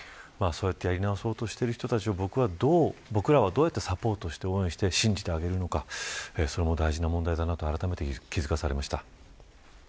やり直そうとしている人たちを僕らはどうやってサポートして応援して信じてあげられるのかあらためて大事な問題だと気付かされました。